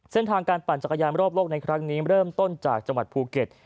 เส้นทางการปั่นจักรยานรอบโลกในครั้งนี้เริ่มต้นจากจังหวัดภูเก็ต